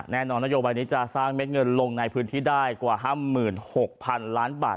นโยบายนี้จะสร้างเม็ดเงินลงในพื้นที่ได้กว่า๕๖๐๐๐ล้านบาท